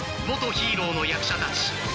元ヒーローの役者たち］